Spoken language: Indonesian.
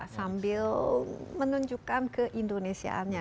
sambil menunjukkan keindonesiaannya